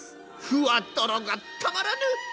ふわとろがたまらぬ！